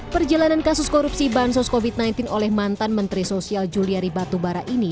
perjalanan kasus korupsi bansos covid sembilan belas oleh mantan menteri sosial juliari batubara ini